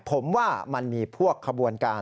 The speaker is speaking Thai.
ผมว่ามันมีพวกขบวนการ